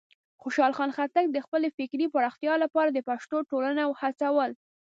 خوشحال خان خټک د خپلې فکري پراختیا لپاره د پښتنو ټولنه هڅول.